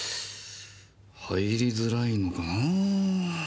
入りづらいのかな。